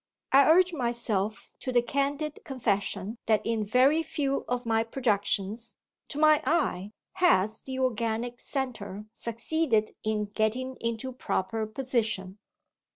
I urge myself to the candid confession that in very few of my productions, to my eye, has the organic centre succeeded in getting into proper position.